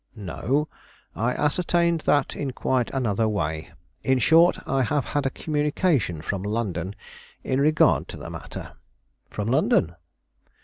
"No; I ascertained that in quite another way. In short, I have had a communication from London in regard to the matter. "From London?"